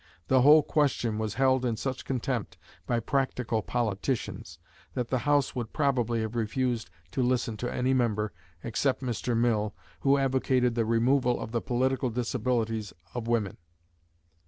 The whole question was held in such contempt by "practical politicians," that the House would probably have refused to listen to any member, except Mr. Mill, who advocated the removal of the political disabilities of women.